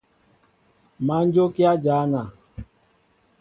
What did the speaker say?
Má jókíá jăna.